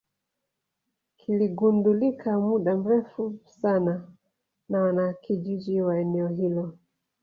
kiligundulika muda mrefu sana na wanakijiji wa eneo hilo